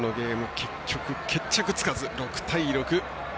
結局、決着つかず６対６。